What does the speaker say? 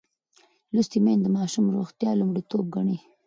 لوستې میندې د ماشوم روغتیا لومړیتوب ګڼي.